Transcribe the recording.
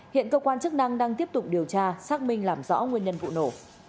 hiện cơ quan chức năng đang tiếp tục điều tra xác minh làm rõ nguyên nhân vụ nổ